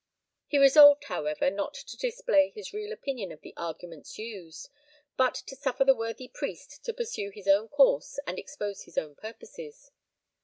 He resolved, however, not to display his real opinion of the arguments used, but to suffer the worthy priest to pursue his own course and expose his own purposes.